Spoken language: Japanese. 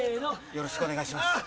よろしくお願いします。